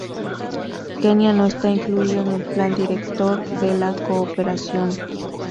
Kenia no está incluido en el Plan Director de la Cooperación.